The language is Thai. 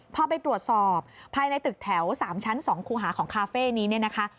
พอไปตรวจสอบภายในตึกแถว๓ชั้น๒คูหาของคาเฟ่นี้เนี่ยนะคะ